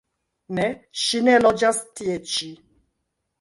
Ne, ŝi ne loĝas tie ĉi.